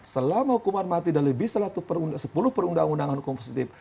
selama hukuman mati dan lebih sepuluh perundang undangan hukum positif